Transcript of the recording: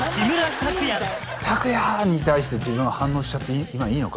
「拓哉！」に対して自分は反応しちゃって今いいのか？